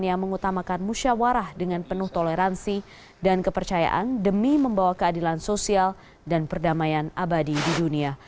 yang mengutamakan musyawarah dengan penuh toleransi dan kepercayaan demi membawa keadilan sosial dan perdamaian abadi di dunia